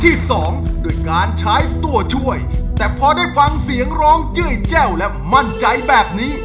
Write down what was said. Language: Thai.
นี่ถ้ามั่นใจว่าร้องถูกทุกคำแบบนี้